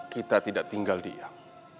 kita tidak tinggal diam